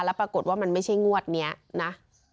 แล้วปรากฏว่ามันไม่ใช่งวดนี้นะ